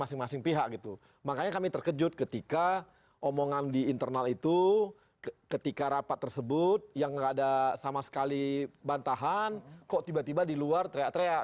masing masing pihak gitu makanya kami terkejut ketika omongan di internal itu ketika rapat tersebut yang nggak ada sama sekali bantahan kok tiba tiba di luar teriak teriak